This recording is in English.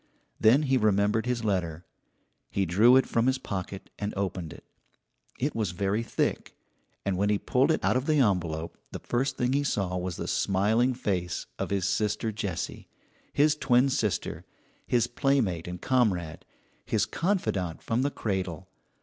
Then he remembered his letter. He drew it from his pocket and opened it. It was very thick; and when he pulled it out of the envelope the first thing he saw was the smiling face of his sister Jessie, his twin sister, his playmate and comrade, his confidante from the cradle.